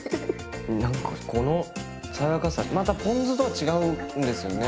何かこの爽やかさまたポン酢とは違うんですよね。